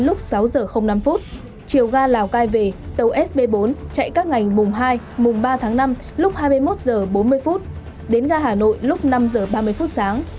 lúc sáu giờ năm phút chiều ga lào cai về tàu sb bốn chạy các ngày mùa hai mùa ba tháng năm lúc hai mươi một giờ bốn mươi phút đến ga hà nội lúc năm giờ ba mươi phút sáng